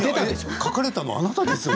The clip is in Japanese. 書かれたのはあなたですよ。